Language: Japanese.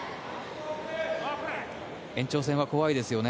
延長戦は怖いですよね。